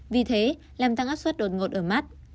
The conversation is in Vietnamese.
vì thế làm tăng áp suất đột ngột ở mắt